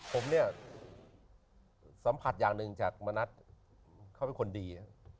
ผมเนี่ยสัมผัสอย่างหนึ่งจากมณัฐเขาเป็นคนดี